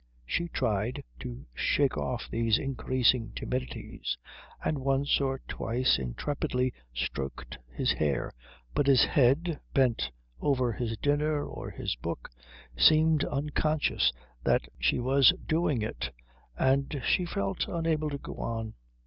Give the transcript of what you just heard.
She tried to shake off these increasing timidities, and once or twice intrepidly stroked his hair; but his head, bent over his dinner or his book, seemed unconscious that she was doing it, and she felt unable to go on.